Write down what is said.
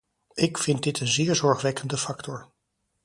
Ik vind dit een zeer zorgwekkende factor.